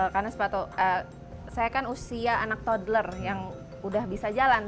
karena sepatu saya kan usia anak toddler yang udah bisa jalan